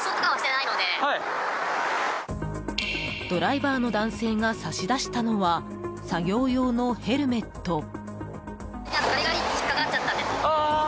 ドライバーの男性が差し出したのは作業用のヘルメット。